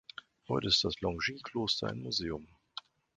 Heute ist das Longxing-Kloster ein Museum.